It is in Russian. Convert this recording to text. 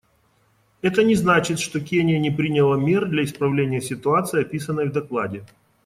Это не значит, что Кения не приняла мер для исправления ситуации, описанной в докладе.